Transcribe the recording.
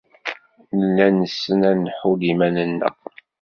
Nella nessen ad nḥudd iman-nneɣ.